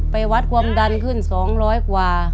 ไปวัดความดันขึ้น๒๐๐กว่า